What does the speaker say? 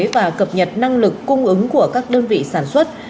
và cập nhật năng lực cung ứng của các đơn vị sản xuất